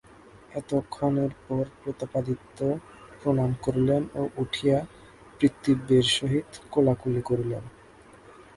এতক্ষণের পর প্রতাপাদিত্য প্রণাম করিলেন ও উঠিয়া পিতৃব্যের সহিত কোলাকুলি করিলেন।